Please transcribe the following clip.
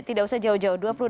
tidak usah jauh jauh